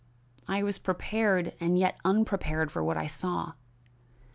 "I was prepared and yet unprepared for what I saw.